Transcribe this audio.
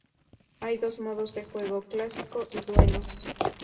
Hay dos modos de juego: Clásico y Duelo.